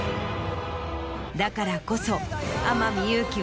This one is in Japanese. だからこそ天海祐希は。